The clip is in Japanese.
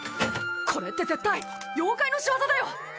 これって絶対妖怪のしわざだよ！